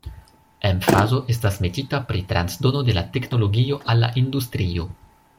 Emfazo estas metita pri transdono de la teknologio al la industrio.